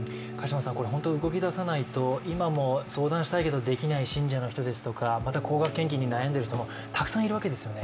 本当に動きださないと、今も相談したいけど、できない信者の人ですとか、また高額献金に悩んでいる人もたくさんいるわけですよね。